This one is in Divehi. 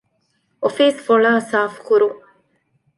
އޮފީސް ފޮޅާ ސާފުކުރުން